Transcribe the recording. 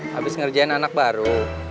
habis ngerjain anak baru